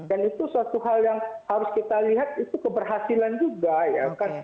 dan itu suatu hal yang harus kita lihat itu keberhasilan juga ya